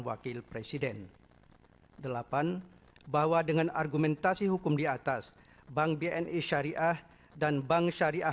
wakil presiden delapan bahwa dengan argumentasi hukum di atas bank bni syariah dan bank syariah